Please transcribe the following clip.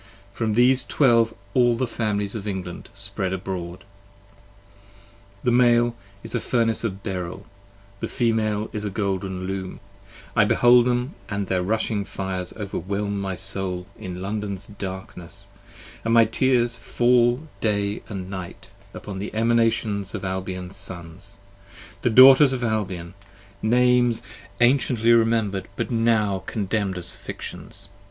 From these Twelve all the Families of England spread abroad. The Male is a Furnace of beryll; the Female is a golden Loom; 35 I behold them and their rushing fires overwhelm my Soul, In London's darkness; and my tears fall day and night, Upon the Emanations of Albion's Sons; the Daughters of Albion, Names anciently remember'd, but now contemn'd as fictions